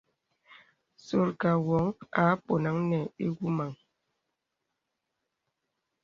Sùrkə̀ woŋ à ponàn nə iwɔmaŋ.